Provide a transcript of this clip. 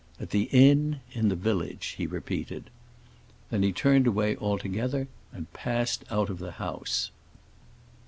"At the inn, in the village," he repeated. Then he turned away altogether and passed out of the house.